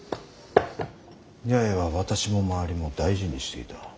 八重は私も周りも大事にしていた。